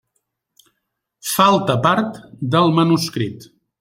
Falta part del manuscrit.